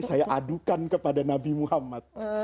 saya adukan kepada nabi muhammad